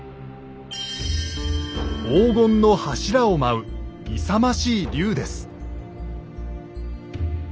黄金の柱を舞う勇ましい龍です。